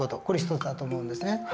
これ一つだと思うんですね。